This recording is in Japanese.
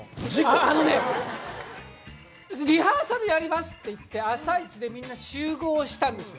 あのねリハーサルやりますって言って、朝一でみんな集合したんですよ。